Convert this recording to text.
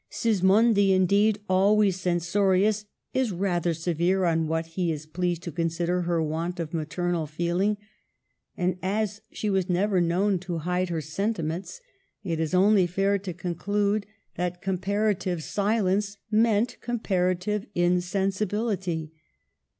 Sismondi, indeed, always censorious, is rather severe on what he is pleased to consider her want of maternal feeling ; and, as she was never known to hide her sentiments, it is only fair to conclude that comparative silence Digitized by VjOOQIC 1 84 MADAME DE STAEL. meant comparative insensibility.